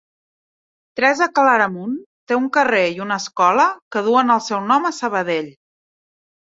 Teresa Claramunt té un carrer i una escola que duen el seu nom a Sabadell.